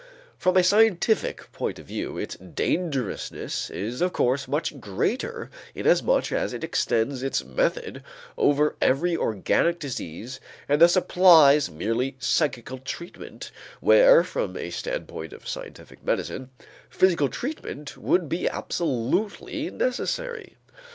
From a scientific point of view, its dangerousness is of course much greater inasmuch as it extends its methods over every organic disease and thus applies merely psychical treatment where from a standpoint of scientific medicine, physical treatment would be absolutely necessary.